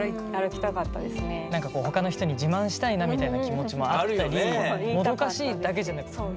他の人に自慢したいなみたいな気持ちもあったりもどかしいだけじゃなく。